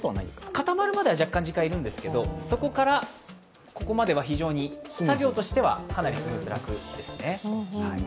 固まるまでは若干時間いるんですけど、そこからここまでは非常に作業としては楽ですね。